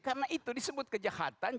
karena itu disebut kejahatan